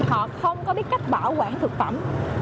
họ không có biết cách bảo quản thực phẩm